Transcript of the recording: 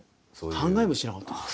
考えもしなかったです。